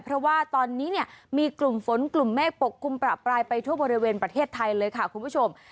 เพราะว่าตอนนี้เนี่ยมีกลุ่มฝนกลุ่มเมฆปกคลุมประปรายไปทั่วบริเวณประเทศไทยเลยค่ะคุณผู้ชม